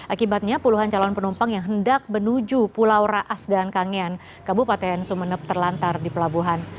akibatnya puluhan calon penumpang yang hendak menuju pulau raas dan kangean kabupaten sumeneb terlantar di pelabuhan